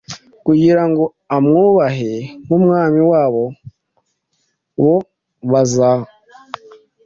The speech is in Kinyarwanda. Kugira ngo amwubahe nkUmwami wabo boe baza,